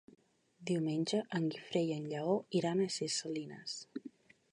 Diumenge en Guifré i en Lleó iran a Ses Salines.